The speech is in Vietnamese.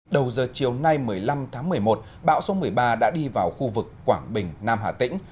đầu giờ chiều nay một mươi năm tháng một mươi một bão số một mươi ba đã đi vào khu vực quảng bình nam hà tĩnh